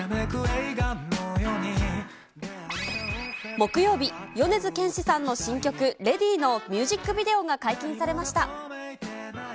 木曜日、米津玄師さんの新曲、ＬＡＤＹのミュージックビデオが解禁されました。